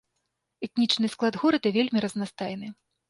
Этнічны склад горада вельмі разнастайны.